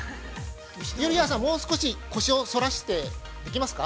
◆ゆりやんさん、もう少し腰を反らしてできますか？